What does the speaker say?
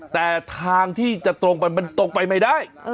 แต่ทางที่จะตรงไปมันตรงไปไม่ได้